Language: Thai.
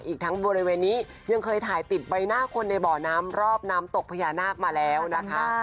อีกทั้งบริเวณนี้ยังเคยถ่ายติดใบหน้าคนในบ่อน้ำรอบน้ำตกพญานาคมาแล้วนะคะ